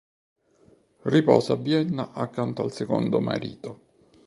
Riposa a Vienna accanto al secondo marito.